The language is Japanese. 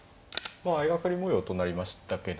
まあ相掛かり模様となりましたけど。